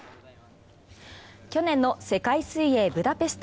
去年の世界水泳ブダペスト。